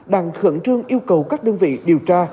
đang khẩn trương yêu cầu các đơn vị điều tra